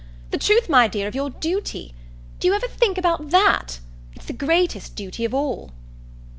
The truth, my dear, of your duty. Do you ever think about THAT? It's the greatest duty of all."